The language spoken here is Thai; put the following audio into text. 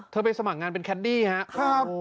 ไปสมัครงานเป็นแคดดี้ครับ